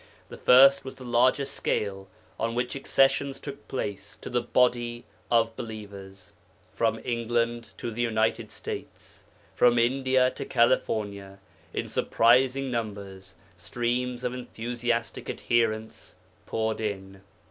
The first was the larger scale on which accessions took place to the body of believers; from England to the United States, from India to California, in surprising numbers, streams of enthusiastic adherents poured in.